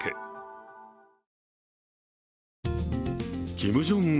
キム・ジョンウン